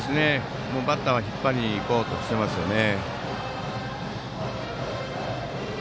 バッターは引っ張りに行こうとしていますね。